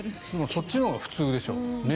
そっちのほうが普通でしょうね。